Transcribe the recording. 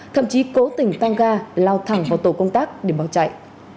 thậm chí cố tình tăng ga lao thẳng vào tổ công tác để bỏ chạy